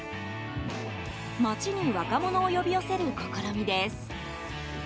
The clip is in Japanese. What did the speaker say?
町に若者を呼び寄せる試みです。